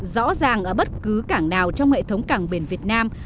rõ ràng ở bất cứ cảng nào trong hệ thống cảng biển việt nam